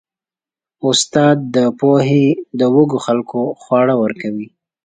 استاد د پوهې د وږو خلکو خواړه ورکوي.